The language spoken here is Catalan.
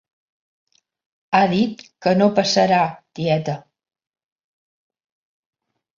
Ha dit que no passarà, tieta.